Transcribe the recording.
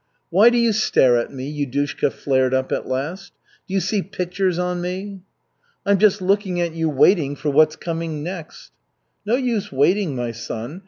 "Why do you stare at me?" Yudushka flared up at last. "Do you see pictures on me?" "I'm just looking at you waiting for what's coming next." "No use waiting, my son.